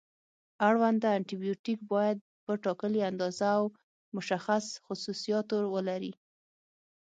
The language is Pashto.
اړونده انټي بیوټیک باید په ټاکلې اندازه او مشخص خصوصیاتو ولري.